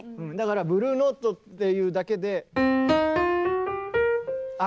だからブルーノートっていうだけで。